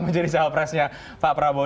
menjadi jahat presnya pak prabowo